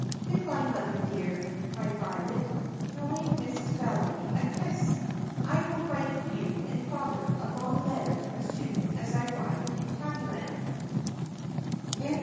"Good by, Mother dear!" cried Violet throwing Mrs. Valery a kiss. "I will write you and father a long letter as soon as I arrive in Tabbyland."